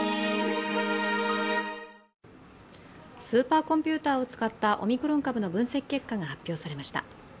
スーパーコンピューターを使ったオミクロン株の分析結果が発表されました。